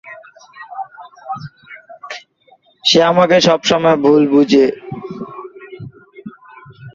ব্যবহারকারীরা তাদের লাইব্রেরির জন্য 'গুগল প্লে' সংগীত স্টোর সেকশন এর মাধ্যমে অতিরিক্ত ট্র্যাক কিনে নিতে পারবেন।